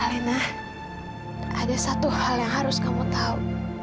elena ada satu hal yang harus kamu tahu